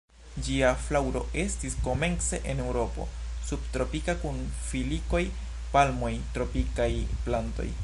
Ĝia flaŭro estis komence en Eŭropo subtropika kun filikoj, palmoj, tropikaj plantoj.